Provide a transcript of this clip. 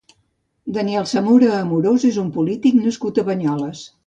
Daniel Zamora Amorós és un polític nascut a Banyoles.